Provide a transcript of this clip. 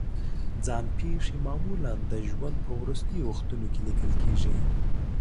ځان پېښې معمولا د ژوند په وروستیو وختونو کې لیکل کېږي.